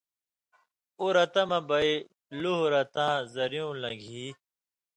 اُو رتہ مہ بئ لُوہہۡ رتاں ذرّیُوں لن٘گھی